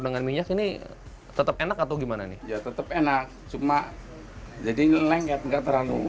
dengan minyak ini tetap enak atau gimana nih ya tetap enak cuma jadi lengket nggak terlalu